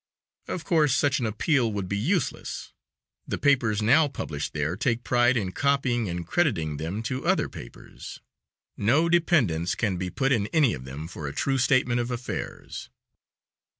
Of course, such an appeal would be useless; the papers now published there take pride in copying and crediting them to other papers. No dependence can be put in any of them for a true statement of affairs.